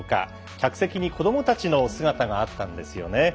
客席に子どもたちの姿があったんですよね。